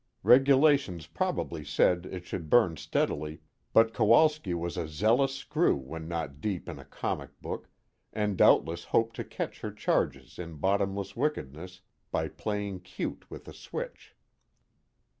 Regulations probably said it should burn steadily, but Kowalski was a zealous screw when not deep in a comic book, and doubtless hoped to catch her charges in bottomless wickedness by playing cute with the switch.